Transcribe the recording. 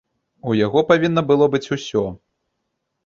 У яго павінна было быць усё.